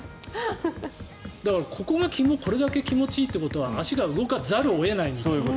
だからこれだけ気持ちいいということは足が動かざるを得ないみたいな。